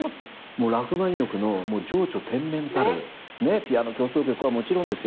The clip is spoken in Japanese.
ラフマニノフの情緒纒綿たる『ピアノ協奏曲』はもちろんですよ